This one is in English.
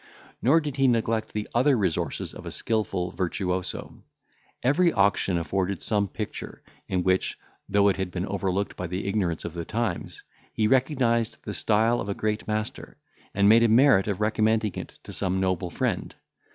Nor did he neglect the other resources of a skilful virtuoso. Every auction afforded some picture, in which, though it had been overlooked by the ignorance of the times, he recognised the style of a great master, and made a merit of recommending it to some noble friend.